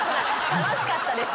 楽しかったです。